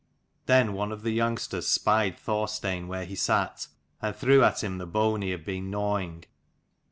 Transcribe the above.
Then one of the youngsters spied Thorstein where he sat, and threw at him the bone he had been gnawing.